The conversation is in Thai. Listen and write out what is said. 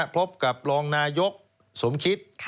พบกับรองนายกสมคิต